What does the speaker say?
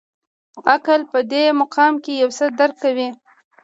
عقل په دې مقام کې یو څه درک کوي.